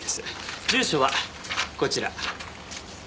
住所はこちら。